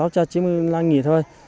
chỉ là nghỉ thôi